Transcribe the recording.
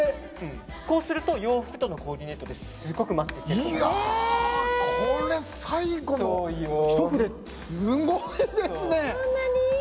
こうすると洋服とのコーディネートこれ、最後のひと筆すごいですね！